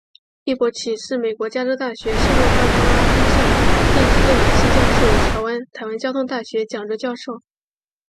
叶伯琦是美国加州大学圣塔芭芭拉分校电机电脑系教授与台湾交通大学讲座教授。